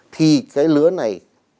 thì cái lứa này